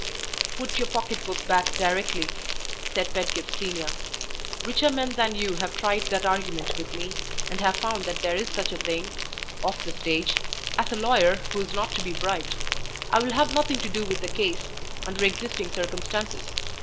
"Put your pocket book back directly," said Pedgift Senior. "Richer men than you have tried that argument with me, and have found that there is such a thing (off the stage) as a lawyer who is not to be bribed. I will have nothing to do with the case, under existing circumstances.